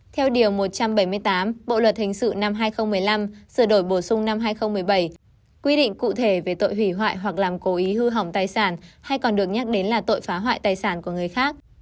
theo điều một trăm bảy mươi tám bộ luật hình sự năm hai nghìn một mươi năm sửa đổi bổ sung năm hai nghìn một mươi bảy quy định cụ thể về tội hủy hoại hoặc làm cố ý hư hỏng tài sản hay còn được nhắc đến là tội phá hoại tài sản của người khác